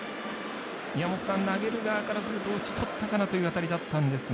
宮本さん、投げる側からすると打ちとったかなという当たりだったんですが。